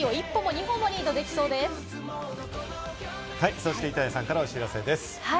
そして板谷さんからお知らせです。